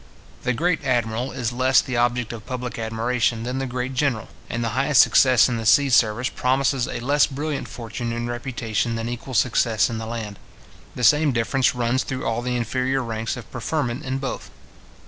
The great admiral is less the object of public admiration than the great general; and the highest success in the sea service promises a less brilliant fortune and reputation than equal success in the land. The same difference runs through all the inferior degrees of preferment in both.